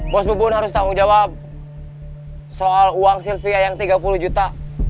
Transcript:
bos bubun harus tanggung jawab soal uang sylvia yang tiga puluh juta